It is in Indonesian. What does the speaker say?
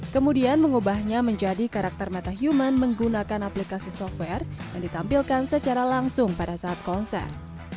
kemudian mengubahnya menjadi karakter metahuman menggunakan aplikasi software yang ditampilkan secara langsung pada saat konser